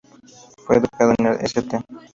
Fue educado en el "St.